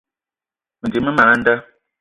Mendim man a nda.